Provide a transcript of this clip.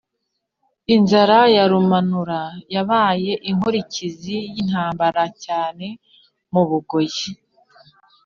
inzara ya Rumanura yabaye inkurikizi y'intambara cyane mu Bugoyi